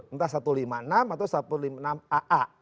entah satu ratus lima puluh enam atau satu ratus lima puluh enam aa